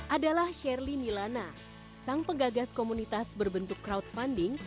adalah sherly milana sang pegagas komunitas berbentuk crowdfunding